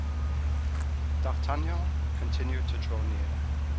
D'Artagnan continued to draw nearer.